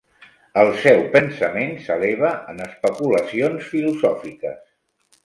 El seu pensament s'eleva en especulacions filosòfiques.